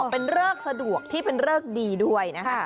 เป็นเริกสะดวกที่เป็นเริกดีด้วยนะคะ